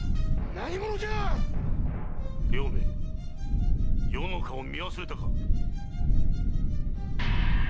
何者じゃ⁉両名余の顔を見忘れたか？